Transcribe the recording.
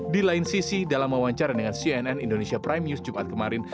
di lain sisi dalam wawancara dengan cnn indonesia prime news jumat kemarin